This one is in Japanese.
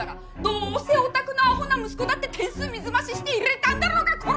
どうせおたくのアホな息子だって点数水増しして入れたんだろうがコラ！